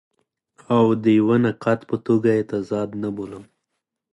او د یوه نقاد په توګه یې تضاد نه بولم.